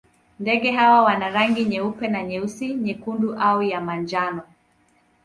Ndege hawa wana rangi nyeupe na nyeusi, nyekundu au ya manjano.